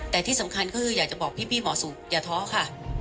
แต่ที่สำคัญคืออยากจะบอกพี่หมอสุขอย่าท้อค่ะ